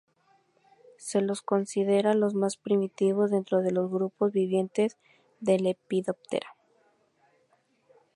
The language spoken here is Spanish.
Se los considera los más primitivos dentro de los grupos vivientes de Lepidoptera.